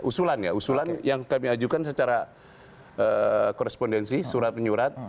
usulan ya usulan yang kami ajukan secara korespondensi surat menyurat